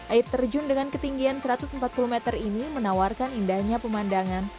air terjun dengan ketinggian satu ratus empat puluh meter ini menawarkan indahnya pemandangan